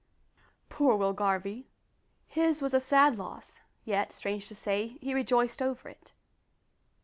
Poor Will Garvie! his was a sad loss, yet, strange to say, he rejoiced over it.